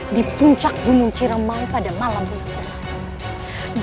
di puncak gunung ciremau pada malam ini